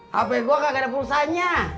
hape gue kagak ada pulsanya